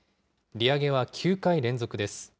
利上げは９回連続です。